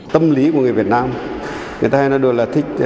tâm lý của người việt nam người ta hay nói đều là thích